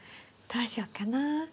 どうしよっかな？